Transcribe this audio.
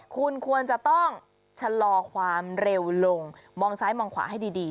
คุณควรจะต้องชะลอความเร็วลงมองซ้ายมองขวาให้ดี